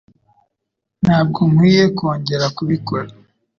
Ntabwo nkwiye kongera kubikora